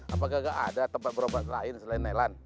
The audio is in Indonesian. apakah tidak ada tempat berobat lain selain nelan